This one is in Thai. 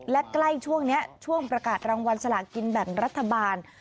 และใกล้ช่วงนี้ช่วงประกาศรางวัลสลากินแบ่งรัฐบาล